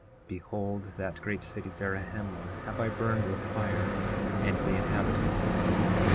9:3 Behold, that great city Zarahemla have I burned with fire, and the inhabitants thereof.